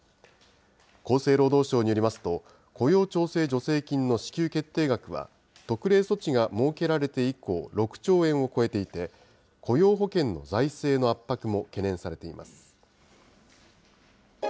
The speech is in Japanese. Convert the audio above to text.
厚生労働省によりますと、雇用調整助成金の支給決定額は、特例措置が設けられて以降、６兆円を超えていて、雇用保険の財政の圧迫も懸念されています。